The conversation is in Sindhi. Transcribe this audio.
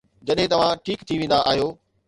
جڏهن توهان ٺيڪ ٿي ويندا آهيو.